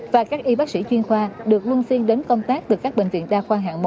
và các y bác sĩ chuyên khoa được luân xin đến công tác từ các bệnh viện đa khoa hạng một